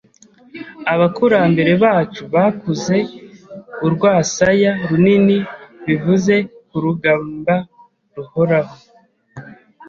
Abakurambere bacu bakuze urwasaya runini bivuye kurugamba ruhoraho.